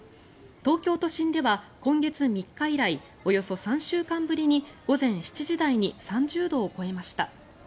東京都心では今月３日以来およそ３週間ぶりに午前７時台に３０度を超えました。